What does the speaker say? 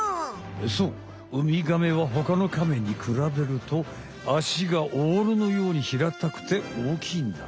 そうウミガメは他のカメにくらべるとアシがオールのように平たくて大きいんだ。